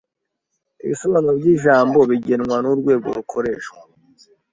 Ibisobanuro byijambo bigenwa nurwego rukoreshwa.